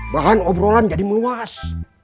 bahan obrolan jadi meluas